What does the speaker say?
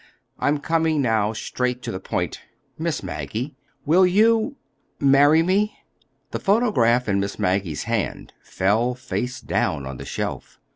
I'm coming now straight to the point. Miss Maggie, will you—marry me?" The photograph in Miss Maggie's hand fell face down on the shelf.